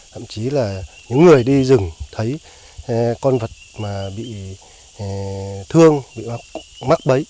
thậm chí là những người đi rừng thấy con vật mà bị thương bị mắc bấy